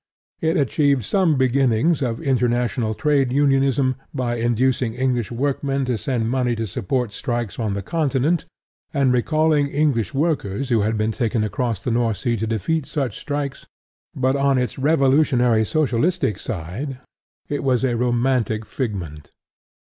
It achieved some beginnings of International Trade Unionism by inducing English workmen to send money to support strikes on the continent, and recalling English workers who had been taken across the North Sea to defeat such strikes; but on its revolutionary socialistic side it was a romantic figment.